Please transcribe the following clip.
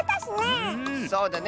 そうだね。